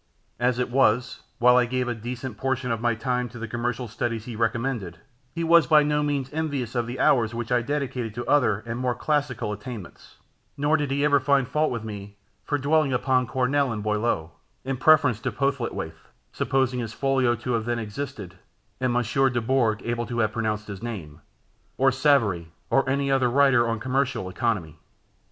As it was, while I gave a decent portion of my time to the commercial studies he recommended, he was by no means envious of the hours which I dedicated to other and more classical attainments, nor did he ever find fault with me for dwelling upon Corneille and Boileau, in preference to Postlethwayte (supposing his folio to have then existed, and Monsieur Dubourg able to have pronounced his name), or Savary, or any other writer on commercial economy.